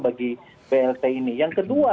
bagi blt ini yang kedua